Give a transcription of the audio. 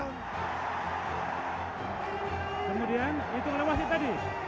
kemudian itu lewasnya tadi